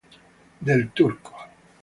Del Turco